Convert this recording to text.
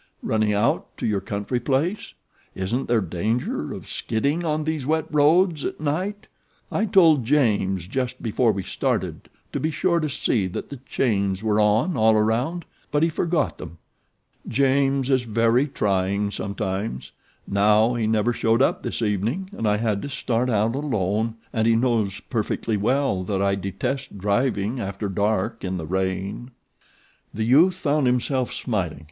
"Running out to your country place? Isn't there danger of skidding on these wet roads at night? I told James, just before we started, to be sure to see that the chains were on all around; but he forgot them. James is very trying sometimes. Now he never showed up this evening and I had to start out alone, and he knows perfectly well that I detest driving after dark in the rain." The youth found himself smiling.